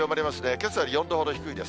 けさより４度ほど低いです。